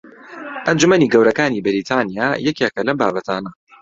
ئەنجومەنی گەورەکانی بەریتانیا یەکێکە لەم بابەتانە